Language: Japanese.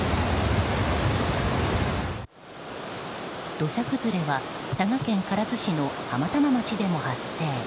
土砂崩れは佐賀県唐津市の浜玉町でも発生。